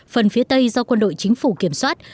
phần phía tây do quân đội chính phủ kiểm soát